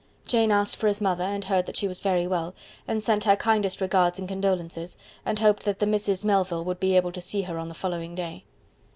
Jane asked for his mother, and heard that she was very well, and sent her kindest regards and condolences, and hoped that the Misses Melville would be able to see her on the following day.